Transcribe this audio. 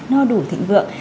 no đủ thịnh vượng